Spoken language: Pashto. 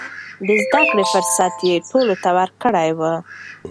د زده کړې فرصت يې ټولو ته ورکړی و.